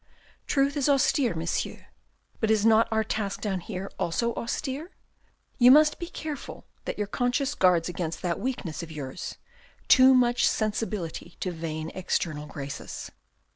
Truth is austere, Monsieur, but is not our task down here also austere ? You must be careful that your conscience guards against that weakness of yours, too much sensibility to vain external graces."